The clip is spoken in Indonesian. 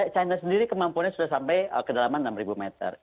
china sendiri kemampuannya sudah sampai kedalaman enam meter